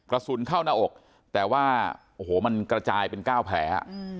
กระสุนเข้าหน้าอกแต่ว่าโอ้โหมันกระจายเป็น๙แผล